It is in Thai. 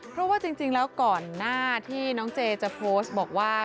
เพราะว่าจริงแล้วก่อนหน้าที่น้องเจจะโพสต์บอกว่า